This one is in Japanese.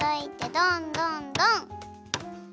どんどんどん！